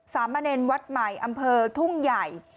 สามเณรวัดใหม่อำเภอทุ่งใหญ่